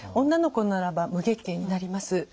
女の子ならば無月経になります。